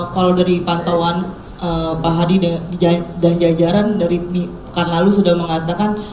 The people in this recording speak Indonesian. kalau dari pantauan pak hadi dan jajaran dari pekan lalu sudah mengatakan